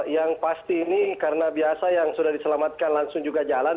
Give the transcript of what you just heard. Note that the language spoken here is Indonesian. yang pasti ini karena biasa yang sudah diselamatkan langsung juga jalan